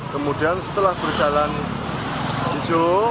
kemudian setelah berjalan hijau